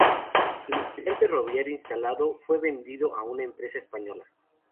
El material ferroviario instalado fue vendido a una empresa española.